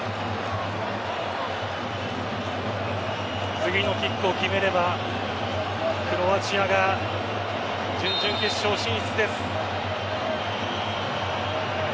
次のキックを決めればクロアチアが準々決勝進出です。